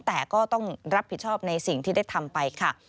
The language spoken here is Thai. แต่ก็ต้องรับผิดชอบในสิ่งที่ได้ทำไปค่ะ